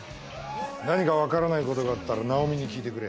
何かわからない事があったら奈緒美に聞いてくれ。